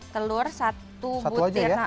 telur satu butir